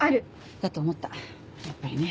だと思ったやっぱりね。